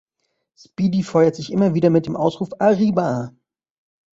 Speedy feuert sich immer wieder mit dem Ausruf „"¡Arriba!